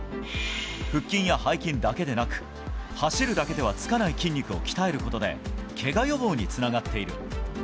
腹筋や背筋だけでなく、走るだけではつかない筋肉を鍛えることで、けが予防につながっている。